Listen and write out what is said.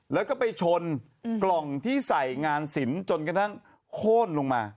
แล้วก็ไปชนกล่องที่ใส่งานศิลป์จนกระทั่งโค้นลงมา